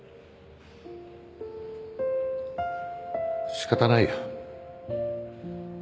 仕方ないよ。